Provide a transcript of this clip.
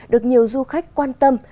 được nhiều du khách quan tâm